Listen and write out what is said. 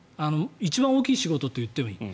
一番大きい仕事と言ってもいい。